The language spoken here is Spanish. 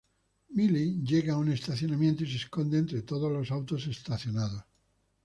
Miley llega a un estacionamiento y se esconde entre todos los autos estacionados.